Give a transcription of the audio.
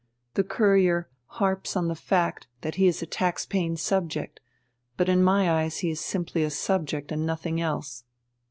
The Courier harps on the fact that he is a tax paying subject, but in my eyes he is simply a subject and nothing else.